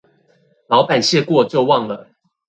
老闆謝過就忘了